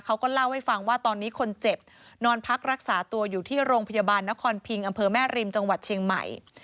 เขาก็เล่าให้ฟังว่าตอนนี้คนเจ็บนอนพักรักษาตัวอยู่ที่โรงพยาบาลนครพิงอำเภอแม่ริมจังหวัดเชียงใหม่